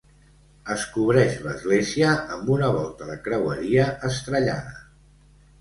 Es cobreix l'església amb una volta de creueria estrellada.